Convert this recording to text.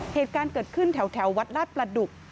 เหตุการณ์เกิดขึ้นแถววัดลาดประดุก